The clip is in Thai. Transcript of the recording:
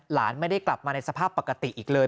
หลานไม่ได้กลับมาในสภาพปกติอีกเลย